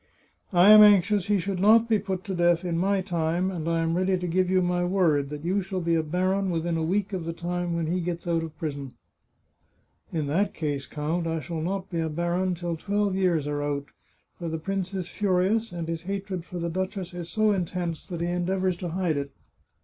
— I am anxious he should not be put to death in my time, and I am ready to give you my word that you shall be a baron within a week of the time when he gets out of prison." " In that case, count, I shall not be a baron till twelve years are out, for the prince is furious, and his hatred for the duchess is so intense that he endeavours to hide it."